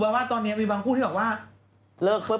ดีกว่าคนเกียรติดีกว่าเกียรติกัน